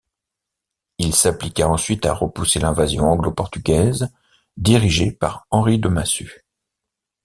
Il s'appliqua ensuite à repousser l'invasion anglo-portugaise dirigée par Henri de Massue.